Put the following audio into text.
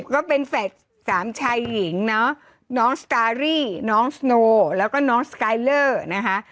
ก็เป็นแฝดสามชายหญิงเนาะน้องสตารี่น้องสโนแล้วก็น้องสกายเลอร์นะคะ